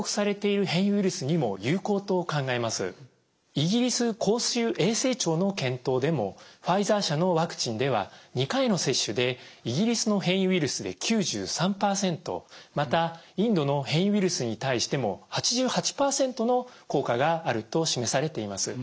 イギリス公衆衛生庁の検討でもファイザー社のワクチンでは２回の接種でイギリスの変異ウイルスで９３％またインドの変異ウイルスに対しても８８％の効果があると示されています。